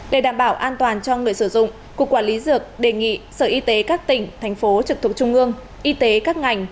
để đảm bảo an toàn cho người sử dụng cục quản lý dược đề nghị sở y tế các tỉnh thành phố trực thuộc trung ương y tế các ngành